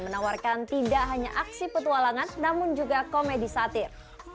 menawarkan tidak hanya aksi petualangan namun juga komedi satir